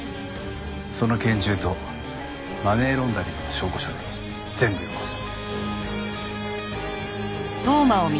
その拳銃とマネーロンダリングの証拠書類全部よこせ。